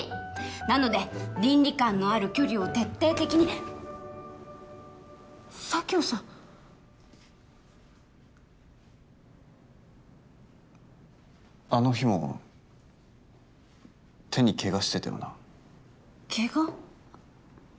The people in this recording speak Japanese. なので倫理観のある距離を徹底的に佐京さんあの日も手にケガしてたよなケガ？